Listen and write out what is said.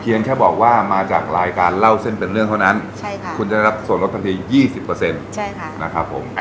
แค่บอกว่ามาจากรายการเล่าเส้นเป็นเรื่องเท่านั้นคุณจะได้รับส่วนลดทันที๒๐นะครับผม